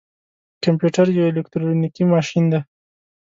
کمپيوټر يو اليکترونيکي ماشين دی.